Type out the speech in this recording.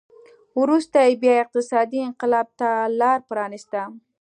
وروسته یې بیا اقتصادي انقلاب ته لار پرانېسته